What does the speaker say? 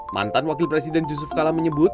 mantan wakil presiden yusuf kala menyebut